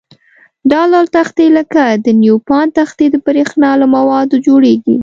دا ډول تختې لکه د نیوپان تختې د برېښنا له موادو جوړيږي.